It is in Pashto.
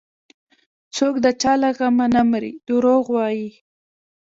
څوك د چا له غمه نه مري دروغ وايي